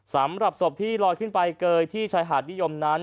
สำหรับศพที่ลอยขึ้นไปเกยที่ชายหาดนิยมนั้น